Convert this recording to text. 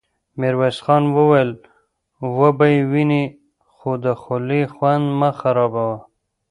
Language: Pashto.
ميرويس خان وويل: وبه يې وينې، خو د خولې خوند مه خرابوه!